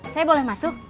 saya boleh masuk